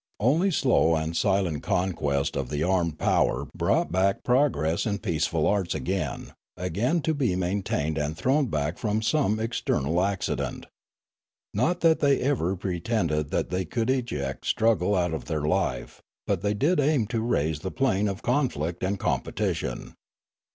Only slow and silent conquest of the armed power brought back progress in peaceful arts again, again to be maintained and thrown back from some external accident. Not that they ever pretended that they could eject struggle out of their life, but they did aim to raise the plane of conflict and competition.